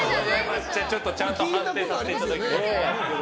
ちゃんと判定させていただきます。